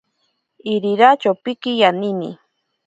Irira chopiki yanini.